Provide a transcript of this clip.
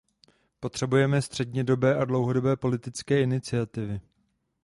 Potřebujeme střednědobé a dlouhodobé politické iniciativy.